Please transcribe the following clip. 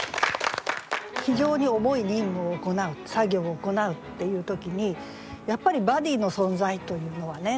非常に重い任務を行う作業を行うっていう時にやっぱりバディの存在というのはね